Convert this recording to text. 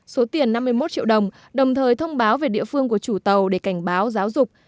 số tiền năm mươi một triệu đồng đồng thời thông báo về địa phương của chủ tàu để cảnh báo giáo dục